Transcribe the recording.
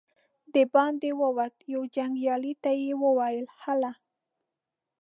د باندې ووت، يوه جنګيالي ته يې وويل: هله!